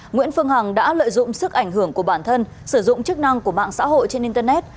nguyễn phương hằng đã lợi dụng sức ảnh hưởng của bản thân sử dụng chức năng của mạng xã hội trên internet